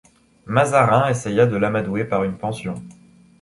Mazarin essaya de l'amadouer par une pension.